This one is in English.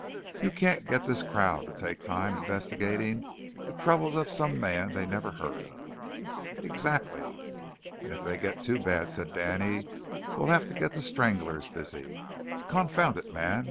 "You can't get this crowd to take time investigating the troubles of some man they never heard of." "Exactly." "And if they get too bad," said Danny, "we'll have to get the stranglers busy." "Confound it, man!"